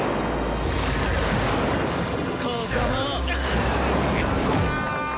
ここも。